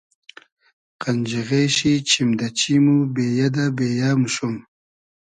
قئنجیغې شی چیم دۂ چیم و بېیۂ دۂ بېیۂ موشوم